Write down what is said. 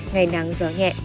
ngày nắng gió nhẹ